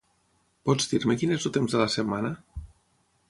Pots dir-me quin és el temps de la setmana?